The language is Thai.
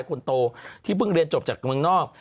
คนโตที่เพิ่งเรียนจบจากเมืองนอก